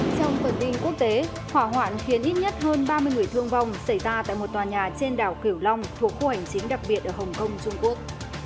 trong phần tin quốc tế hỏa hoạn khiến ít nhất hơn ba mươi người thương vong xảy ra tại một tòa nhà trên đảo kiểu long thuộc khu hành chính đặc biệt ở hồng kông trung quốc